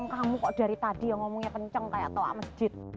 kamu kok dari tadi yang ngomongnya kenceng kayak toa masjid